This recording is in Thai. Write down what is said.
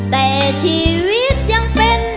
แต่ชีวิตยังเป็น